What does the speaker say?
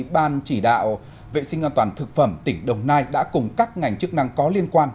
ban chỉ đạo vệ sinh an toàn thực phẩm tỉnh đồng nai đã cùng các ngành chức năng có liên quan